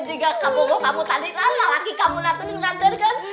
juga kalau kamu tadi lelaki kamu itu yang mengantarkan